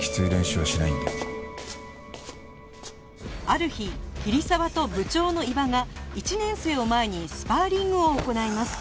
ある日桐沢と部長の伊庭が１年生を前にスパーリングを行います